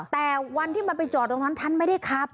แต่วันที่มันไปจอดตรงนั้นท่านไม่ได้ขับ